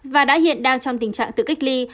và đã hiện đang trong tình trạng tự cách ly